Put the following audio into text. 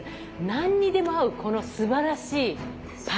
何にでも合うこのすばらしいパスタ。